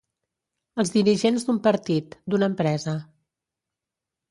Els dirigents d'un partit, d'una empresa.